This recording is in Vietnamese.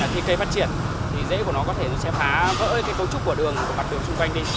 khi cây phát triển thì dễ của nó có thể sẽ phá vỡ cái cấu trúc của đường và mặt đường xung quanh đi